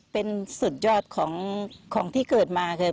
เป็นสุดยอดของที่เกิดมาคือ